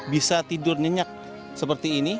bisa tidur nyenyak seperti ini